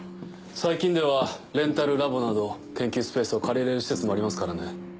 最近ではレンタルラボなど研究スペースを借りれる施設もありますからね。